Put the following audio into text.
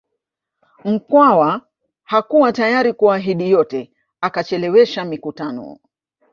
Mkwawa hakuwa tayari kuahidi yote akachelewesha mikutano